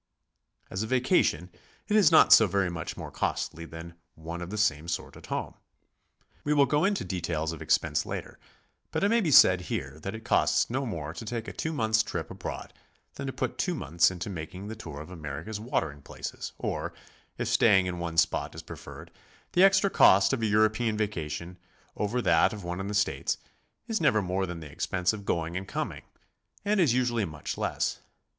As a vacation, it is not so very much more costly than one of the same sort at home. We will go into details of expense later, but it may be said here that it costs no more to take a two months' trip abroad than to put two months into making the tour of America's watering places; or, if staying in one spot is preferred, th e extra cost of a European vacation over that of one in the States, is never more than the expense of going and coming, and is usually much less.